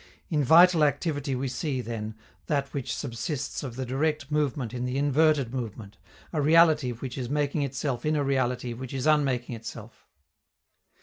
In vital activity we see, then, that which subsists of the direct movement in the inverted movement, a reality which is making itself in a reality which is unmaking itself.